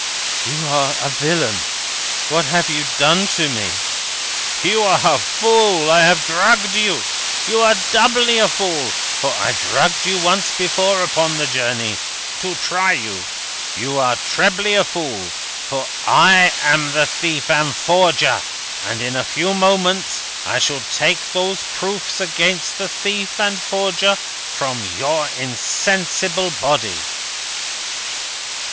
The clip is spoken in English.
"You are a villain. What have you done to me?" "You are a fool. I have drugged you. You are doubly a fool, for I drugged you once before upon the journey, to try you. You are trebly a fool, for I am the thief and forger, and in a few moments I shall take those proofs against the thief and forger from your insensible body."